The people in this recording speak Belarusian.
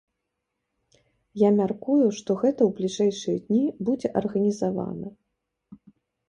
Я мяркую, што гэта ў бліжэйшыя дні будзе арганізавана.